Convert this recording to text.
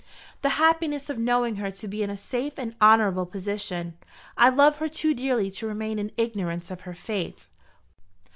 "The happiness of knowing her to be in a safe and honourable position. I love her too dearly to remain in ignorance of her fate."